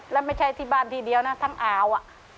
แล้วไม่ใช่ที่บ้านที่เดียวนะทั้งอ่าว